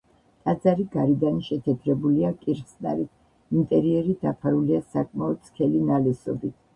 ტაძარი გარედან შეთეთრებულია კირხსნარით, ინტერიერი დაფარულია საკმაოდ სქელი ნალესობით.